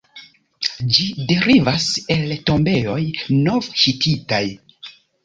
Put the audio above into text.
Ĝi derivas el tombejoj nov-hititaj.